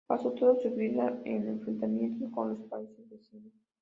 Pasó toda su vida en enfrentamientos con los países vecinos.